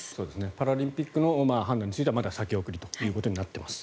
パラリンピックの判断についてはまだ先送りとなっています。